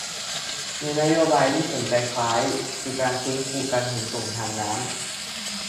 มีนโยบายที่สนใจคล้าย คือ การฟื้นการขนส่งทางน้ำ